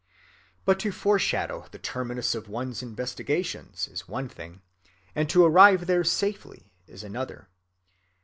But to foreshadow the terminus of one's investigations is one thing, and to arrive there safely is another.